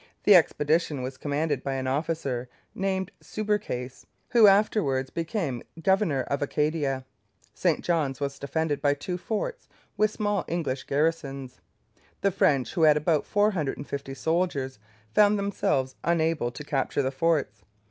The expedition was commanded by an officer named Subercase, who afterwards became governor of Acadia. St John's was defended by two forts, with small English garrisons. The French, who had about four hundred and fifty soldiers, found themselves unable to capture the forts.